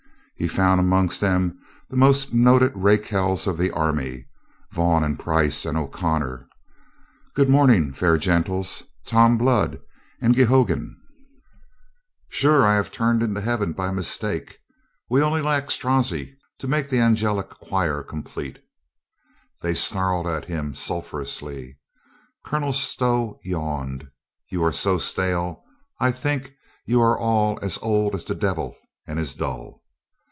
He found amongst them the most noted rake hells of the army. "Vaughan and Price and O'Connor! Good morrow, fair gentles. Tom Blood and Geoghegan ! Sure, I have turned into Heaven by mistake. We only lack Strozzi to make the angelic choir complete." They snarled at him sulphurously. Colonel Stow yawned. "You are so stale. I think you are all as old as the devil and as dull."